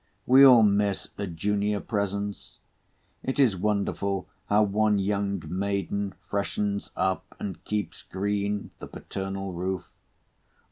We all miss a junior presence. It is wonderful how one young maiden freshens up, and keeps green, the paternal roof.